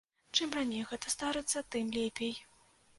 Чым раней гэта здарыцца, тым лепей.